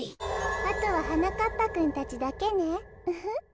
あとははなかっぱくんたちだけねウフッ。